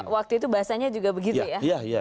waktu itu bahasanya juga begitu ya